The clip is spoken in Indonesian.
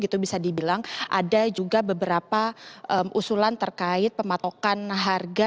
tadi bilang ada juga beberapa usulan terkait pematokan harga